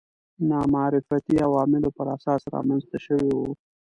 نامعرفتي عواملو پر اساس رامنځته شوي وو